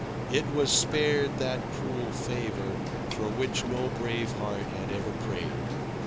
It was spared that cruel favour, for which no brave heart had ever prayed.